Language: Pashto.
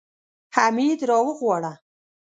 حميد راوغواړه.